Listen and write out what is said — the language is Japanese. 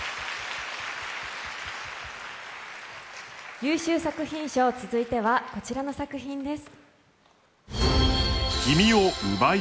優秀作品賞、続いてはこちらの作品です。